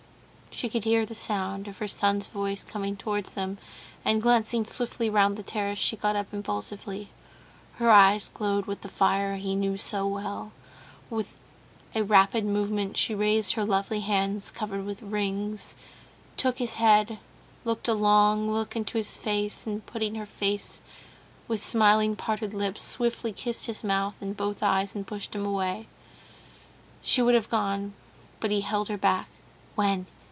She could hear the sound of her son's voice coming towards them, and glancing swiftly round the terrace, she got up impulsively. Her eyes glowed with the fire he knew so well; with a rapid movement she raised her lovely hands, covered with rings, took his head, looked a long look into his face, and, putting up her face with smiling, parted lips, swiftly kissed his mouth and both eyes, and pushed him away. She would have gone, but he held her back. "When?"